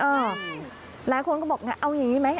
หลายคนก็บอกเอาอย่างนี้ไหม